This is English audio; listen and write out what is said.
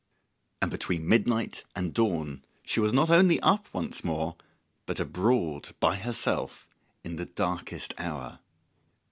And between midnight and dawn, she was not only up once more, but abroad by herself in the darkest hour.